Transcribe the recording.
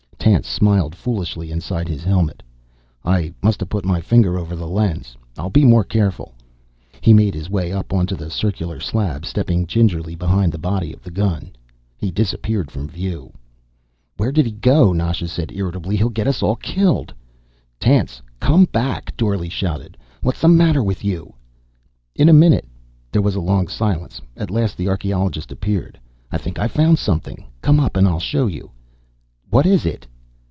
Tance smiled foolishly inside his helmet. "I must have put my finger over the lens. I'll be more careful." He made his way up onto the circular slab, stepping gingerly behind the body of the gun. He disappeared from view. "Where did he go?" Nasha said irritably. "He'll get us all killed." "Tance, come back!" Dorle shouted. "What's the matter with you?" "In a minute." There was a long silence. At last the archeologist appeared. "I think I've found something. Come up and I'll show you." "What is it?"